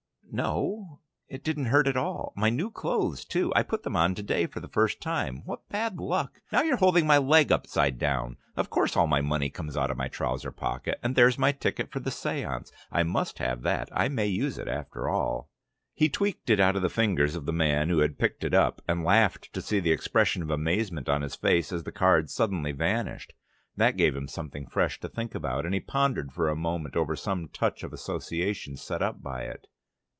"No, it didn't hurt after all. My new clothes, too: I put them on to day for the first time. What bad luck! Now you're holding my leg upside down. Of course all my money comes out of my trouser pocket. And there's my ticket for the séance; I must have that: I may use it after all." He tweaked it out of the fingers of the man who had picked it up, and laughed to see the expression of amazement on his face as the card suddenly vanished. That gave him something fresh to think about, and he pondered for a moment over some touch of association set up by it.